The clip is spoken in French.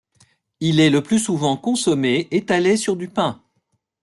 Il est le plus souvent consommé étalé sur du pain.